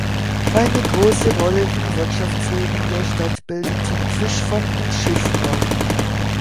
Eine große Rolle im Wirtschaftsleben der Stadt bildeten Fischfang und Schiffbau.